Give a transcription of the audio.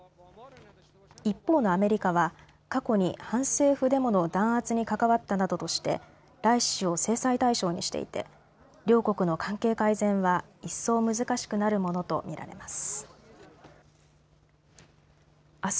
一方のアメリカは過去に反政府デモの弾圧に関わったなどとしてライシ師を制裁対象にしていて両国の関係改善は一層難しくなるものと見られます。